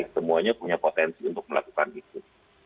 semuanya punya potensi untuk melakukan itu